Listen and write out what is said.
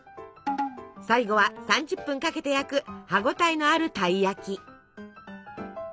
最後は３０分かけて焼く歯ごたえのあるたい焼き。